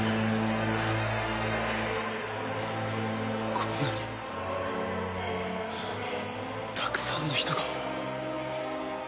こんなにたくさんの人が。